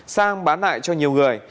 sang bán lại cho nhiều người